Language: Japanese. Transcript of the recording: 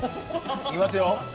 いきますよ。